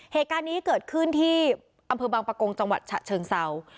เหตุการณ์นี้เกิดขึ้นที่อำเภอบางประกงจังหวัดฉะเชิงเศร้า